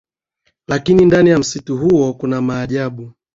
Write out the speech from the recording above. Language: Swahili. lakini ndani ya msitu huo kuna maajabu